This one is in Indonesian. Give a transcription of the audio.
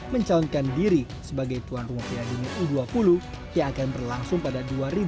mencalonkan diri sebagai tuan rumah piala dunia u dua puluh yang akan berlangsung pada dua ribu dua puluh